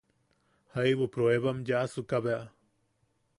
Jaibu pruebam yaʼasuka bea.